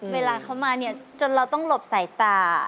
เวลาเขามาเนี่ยจนเราต้องหลบสายตา